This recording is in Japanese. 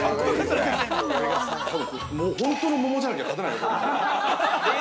◆多分、もう本当の桃じゃなきゃ勝てないよ。